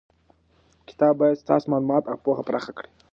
کتاب باید ستاسو معلومات او پوهه پراخه کړي.